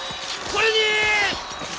これに！